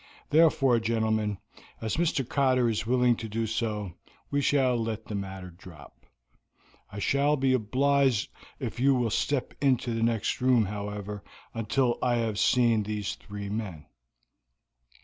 Therefore, gentlemen, as Mr. Cotter is willing to do so, we shall let the matter drop. I shall be obliged if you will step into the next room, however, until I have seen these three men."